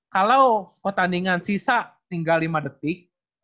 kalau pertandingan sisa tinggal lima detik